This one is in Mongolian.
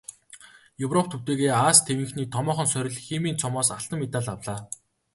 Европ төдийгүй Ази тивийнхний томоохон сорил "Химийн цом"-оос алтан медаль авлаа.